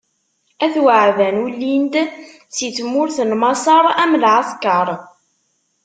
At Waɛban ulin-d si tmurt n Maṣer am lɛeskeṛ.